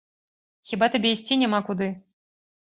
Хіба табе ісці няма куды?